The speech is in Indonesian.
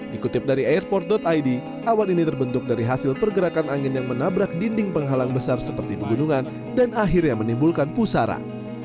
dikutip dari airport id awan ini terbentuk dari hasil pergerakan angin yang menabrak dinding penghalang besar seperti pegunungan dan akhirnya menimbulkan pusara